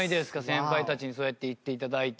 先輩たちにそうやって言って頂いて。